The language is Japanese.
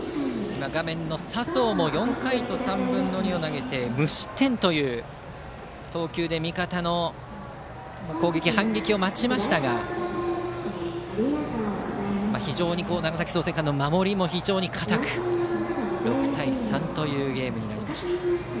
画面の佐宗も４回と３分の２を投げて無失点という投球で味方の反撃を待ちましたが非常に長崎・創成館の守りも堅く６対３というゲームになりました。